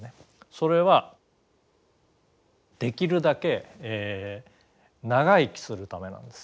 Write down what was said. それはできるだけ長生きするためなんです。